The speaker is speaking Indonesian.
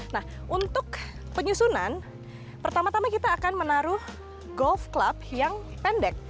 nah untuk penyusunan pertama tama kita akan menaruh golf club yang pendek